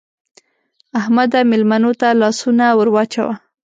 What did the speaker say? احمده! مېلمنو ته لاسونه ور واچوه.